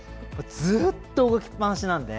ずっと動きっぱなしなので。